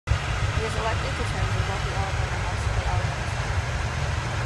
He was elected to terms in both the Alabama House and the Alabama Senate.